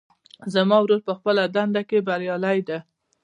زما ورور په خپله دنده کې بریالۍ ده